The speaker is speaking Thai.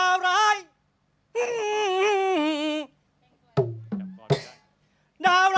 โอ้โอ้